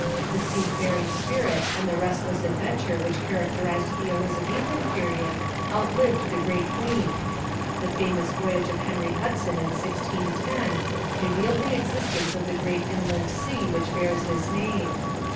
The sea faring spirit and the restless adventure which characterized the Elizabethan period outlived the great queen. The famous voyage of Henry Hudson in 1610 revealed the existence of the great inland sea which bears his name.